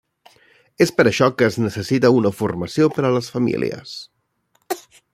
És per això que es necessita una formació per a les famílies.